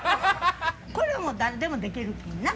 これもう誰でもできるきんな。